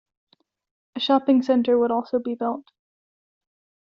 A shopping center would also be built.